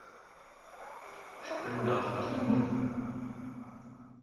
Skriuw dat as nûmer.